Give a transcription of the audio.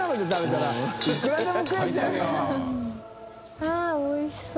あっおいしそう。